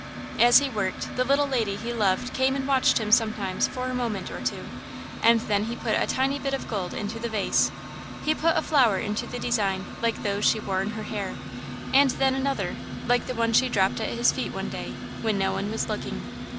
"As he worked, the little lady he loved came and watched him sometimes for a moment or two, and then he put a tiny bit of gold into the vase. He put a flower into the design, like those she wore in her hair, and then another, like the one she dropped at his feet one day, when no one was looking.